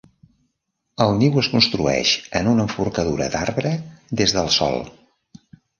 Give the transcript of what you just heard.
El niu es construeix en una enforcadura d'arbre des del sòl.